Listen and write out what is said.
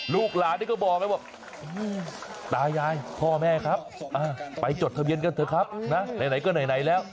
ลูกหลานนี่ก็บอกไปบอกตายายพ่อแม่ครับไปจดทะเบียนกันเถอะครับนะไหนก็ไหนแล้ว